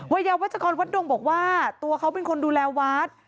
วัยยาวัชกรวัดดงบอกว่าตัวเขาเป็นคนดูแลวัด